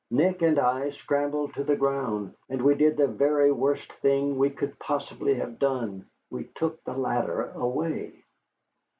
Nick and I scrambled to the ground, and we did the very worst thing we could possibly have done, we took the ladder away.